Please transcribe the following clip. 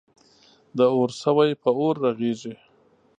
د اور سوی په اور رغیږی.